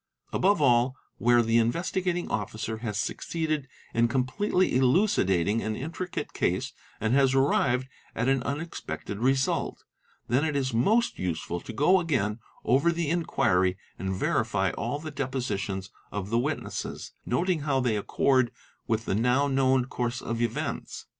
Above all, where the Investigating Officer — has succeeded in completely elucidating an intricate case and has arrived at an unexpected result, then it is most useful to go again over the — inquiry and verify all the depositions of the witnesses, noting how they accord with the now known course of events.